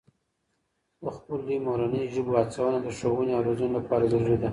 د خپلو مورنۍ ژبو هڅونه د ښوونې او روزنې لپاره ضروري ده.